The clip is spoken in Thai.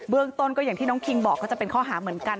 เรื่องต้นก็อย่างที่น้องคิงบอกก็จะเป็นข้อหาเหมือนกัน